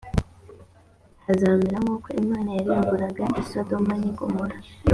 hazamera nk uko imana yarimburaga i sodomu n ‘igomora.